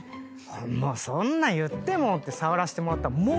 そんな言ってもって触らせてもらったらもう。